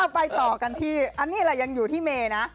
ไปต่อกันที่อันนี้แหละยังอยู่ที่เมย์นะ